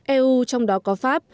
eu trong đó có pháp